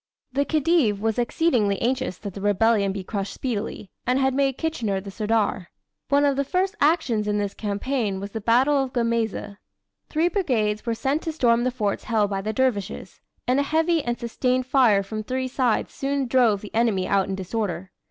The Khedive was exceedingly anxious that the rebellion be crushed speedily, and had made Kitchener the "sirdar." One of the first actions in this campaign was the Battle of Gemaizeh. Three brigades were sent to storm the forts held by the dervishes, and a heavy and sustained fire from three sides soon drove the enemy out in disorder.